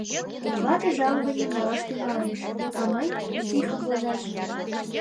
Вате жалованийым налаш тӱҥалеш, а мый — стихым возаш.